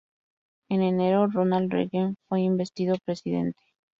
En enero, Ronald Reagan fue investido presidente.